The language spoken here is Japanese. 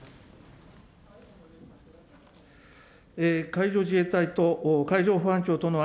海上自衛隊と海上保安庁との